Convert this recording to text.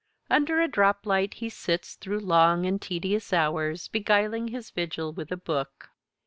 Under a drop light he sits through long and tedious hours, beguiling his vigil with a book.